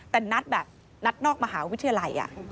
แต่นัดแบบนัดนอกมหาวิทยาลัย